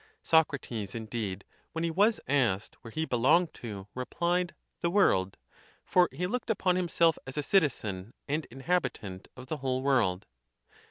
Socrates, indeed, when he was asked where he belong ed to, replied, "The world ;" for he looked upon himself as a citizen and inhabitant of the whole world.